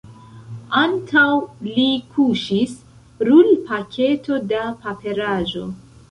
Antaŭ li kuŝis rulpaketo da paperaĵo.